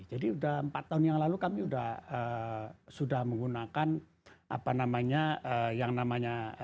jadi sudah empat tahun yang lalu kami sudah menggunakan apa namanya yang namanya